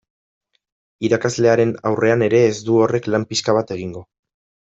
Irakaslearen aurrean ere ez du horrek lan pixka bat egingo.